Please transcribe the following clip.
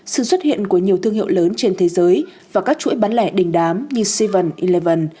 sự xuất hiện của nhiều thương hiệu lớn trên thế giới và các chuỗi bán lẻ đình đám như seaven inleven